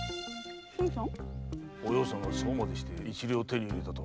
お葉さんがそうまでして一両を手に入れたとは。